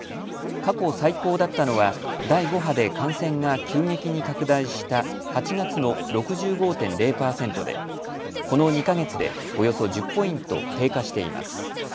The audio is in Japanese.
過去最高だったのは第５波で感染が急激に拡大した８月の６５．０％でこの２か月でおよそ１０ポイント低下しています。